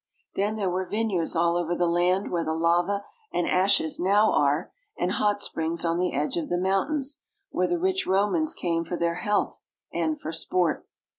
Then there were vineyards all over the land where the lava and ashes now are, and hot springs on the edge of the mountains, where the rich Romans came for their health and for sport.